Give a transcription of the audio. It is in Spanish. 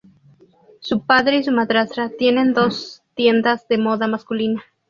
Su padre y su madrastra tienen dos tiendas de moda masculina.